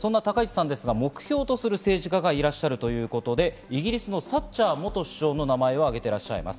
目標とする政治家がいらっしゃるということでイギリスのサッチャー元首相の名前を挙げていらっしゃいます。